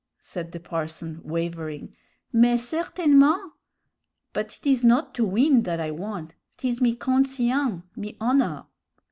said the parson, wavering. "Mais certainement! But it is not to win that I want; 'tis me conscien' me honor!"